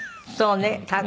そうね。